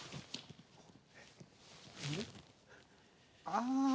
ああ。